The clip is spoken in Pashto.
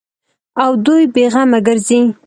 او دوى بې غمه گرځي.